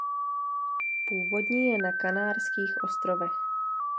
Původní je na Kanárských ostrovech.